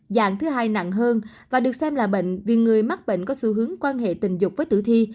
dạng thứ hai nặng hơn và được xem là bệnh vì người mắc bệnh có xu hướng quan hệ tình dục với tử thi